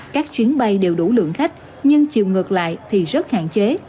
các chuyến bay đều đủ lượng khách nhưng chiều ngược lại thì rất hạn chế